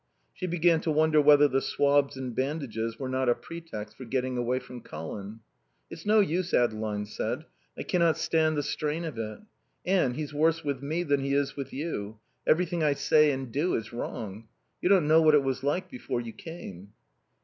She began to wonder whether the swabs and bandages were not a pretext for getting away from Colin. "It's no use," Adeline said. "I cannot stand the strain of it. Anne, he's worse with me than he is with you. Everything I say and do is wrong. You don't know what it was like before you came."